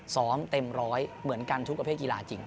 ซ้อมเต็มร้อยเหมือนกันทุกประเภทกีฬาจริง